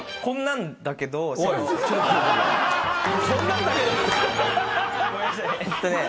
「こんなんだけど」って！